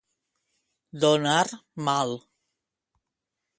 Donar mal.